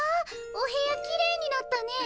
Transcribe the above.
お部屋きれいになったね。